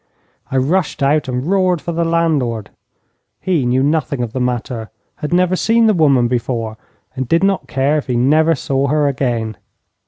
I rushed out and roared for the landlord. He knew nothing of the matter, had never seen the woman before, and did not care if he never saw her again.